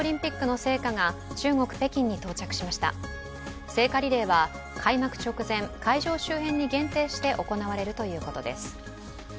聖火リレーは開幕直前、会場周辺に限定して行われるということです。